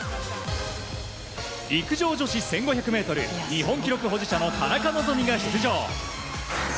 陸上女子１５００ｍ日本記録保持者の田中希実が出場。